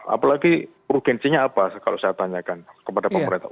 apalagi urgensinya apa kalau saya tanyakan kepada pemerintah